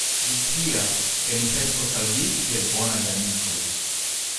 Vi scias, ke ni helpos al vi kiel bonaj amikoj.